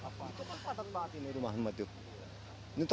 itu kan padat banget ini rumah rumah itu